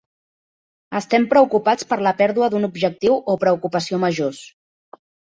Estem preocupats per la pèrdua d'un objectiu o preocupació majors.